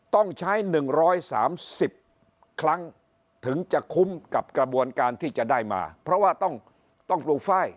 ต้องใช้๑๓๐ครั้งถึงจะคุ้มกับกระบวนการที่จะได้มาเพราะว่าต้องปลูกไฟล์